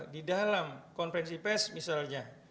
di dalam konferensi pes misalnya